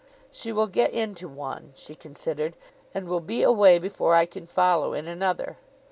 'She will get into one,' she considered, 'and will be away before I can follow in another.